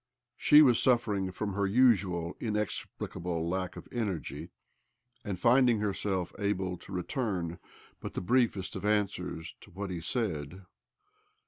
She was suffering from her usual inexplicable lack of energy, and finding herself able to return but the briefest of answers to what he said.